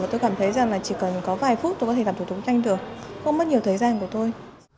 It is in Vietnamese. tôi cảm thấy rằng là chỉ cần có vài phút tôi có thể làm thủ tục tranh được không mất nhiều thời gian của tôi